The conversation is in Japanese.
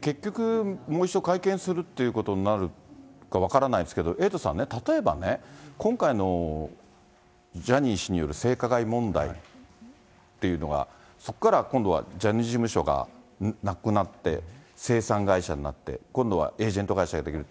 結局、もう一度会見するということになるか分からないですけど、エイトさんね、例えばね、今回のジャニー氏による性加害問題っていうのが、そこから今度はジャニーズ事務所がなくなって、清算会社になって、今度はエージェント会社が出来る。